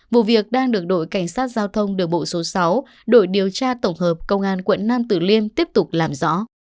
vụ việc đang được đội cảnh sát giao thông đường bộ số sáu đội điều tra tổng hợp công an quận nam tử liêm tiếp tục làm rõ